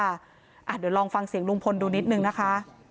เดี๋ยวลองฟังเสียงลุงพลดูนิดนึงนะคะ